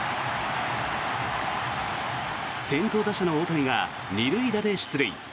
先頭打者の大谷が２塁打で出塁。